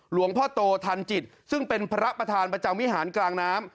หลวงพ่อโตทันจิตซึ่งเป็นพระประธานประจำวิหารกลางน้ำ